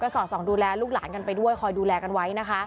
สอดส่องดูแลลูกหลานกันไปด้วยคอยดูแลกันไว้นะคะ